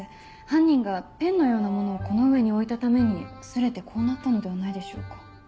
犯人がペンのようなものをこの上に置いたために擦れてこうなったのではないでしょうか？